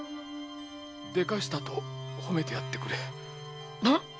「でかした」と褒めてやってくれ。